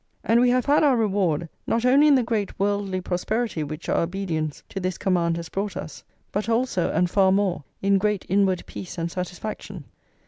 And we have had our reward, not only in the great worldly prosperity which our obedience to this command has brought us, but also, and far more, in great inward peace and satisfaction.